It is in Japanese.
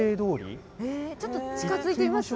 ちょっと近づいてみます？